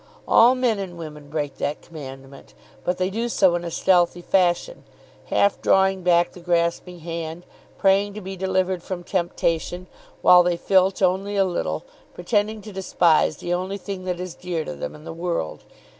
All men and women break that commandment, but they do so in a stealthy fashion, half drawing back the grasping hand, praying to be delivered from temptation while they filch only a little, pretending to despise the only thing that is dear to them in the world.